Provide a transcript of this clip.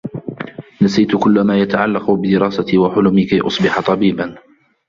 نسيت كلّ ما يتعلّق بدراستي و حلمي كي أصبح طبيبا.